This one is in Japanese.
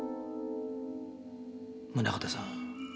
宗形さん。